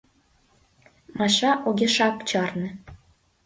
— Маша огешак чарне.